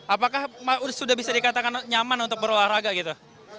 apakah sudah bisa dikatakan nyaman untuk berolahraga gitu